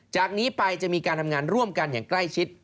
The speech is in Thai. จากนี้ไปจะมีการทำงานร่วมกันอย่างใกล้ชิด